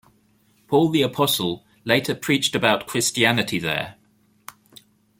Paul the Apostle later preached about Christianity there.